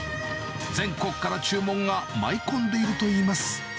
全国から注文が舞い込んでいるといいます。